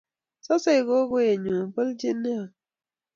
Sosei kukoenyu bolche neoo